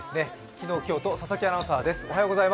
昨日、今日と佐々木アナウンサーです。